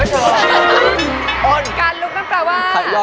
เห้ย